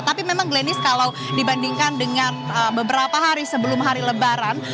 tapi memang glennis kalau dibandingkan dengan beberapa hari sebelum hari lebaran